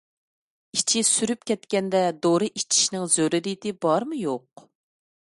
ئىچى سۈرۈپ كەتكەندە دورا ئىچىشنىڭ زۆرۈرىيىتى بارمۇ-يوق؟